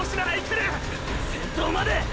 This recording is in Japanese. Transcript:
先頭まで！